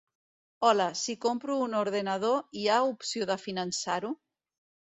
Hola, si compro un ordenador hi ha opció de finançar-ho?